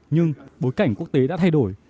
nhưng bối cảnh quốc tế đã thay đổi